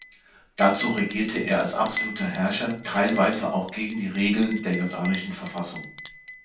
Dazu regierte er als absoluter Herrscher, teilweise auch gegen die Regeln der jordanischen Verfassung.